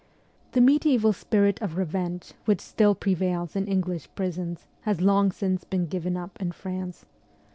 The mediaeval spirit of revenge which still prevails in English prisons has long since been given up in France.